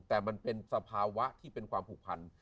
แต่มันเป็นสภาวะที่เป็นความผูกพัน